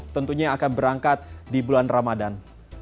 tentunya akan berangkat di bulan ramadhan